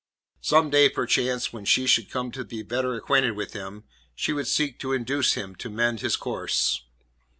Some day, perchance, when she should come to be better acquainted with him, she would seek to induce him to mend his course.